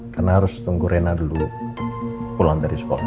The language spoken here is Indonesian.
karena harus tunggu rena dulu pulang dari sekolah